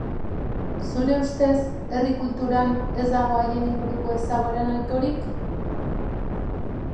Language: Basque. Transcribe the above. Zure ustez, herri kulturan ez dago haien inguruko ezaguera nahikorik?